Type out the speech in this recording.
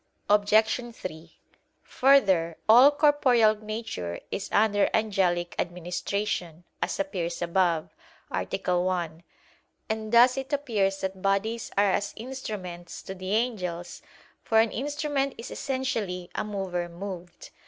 Obj. 3: Further, all corporeal nature is under angelic administration, as appears above (A. 1), and thus it appears that bodies are as instruments to the angels, for an instrument is essentially a mover moved.